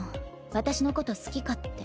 私のこと好きかって。